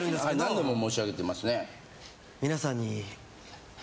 何度も申し上げてますね。